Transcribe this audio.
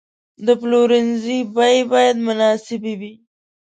د پلورنځي بیې باید مناسبې وي.